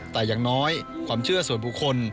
แต่อย่างน้อยความเชื่อส่วนบุคคล